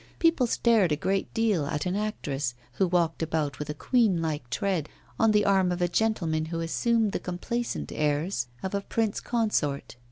People stared a great deal at an actress, who walked about with a queen like tread, on the arm of a gentleman who assumed the complacent airs of a prince consort.